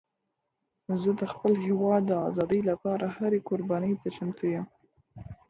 زه د خپل هېواد د ازادۍ لپاره هرې قربانۍ ته چمتو یم.